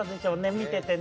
見ててね。